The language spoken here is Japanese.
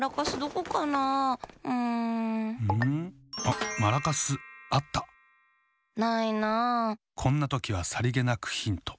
こんなときはさりげなくヒント。